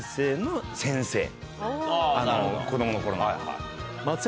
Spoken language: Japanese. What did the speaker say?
子供の頃の。